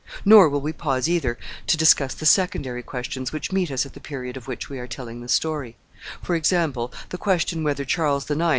Nor will we pause either to discuss the secondary questions which meet us at the period of which we are telling the story; for example, the question whether Charles IX.